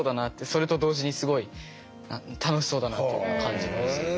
それと同時にすごい楽しそうだなっていうのは感じました。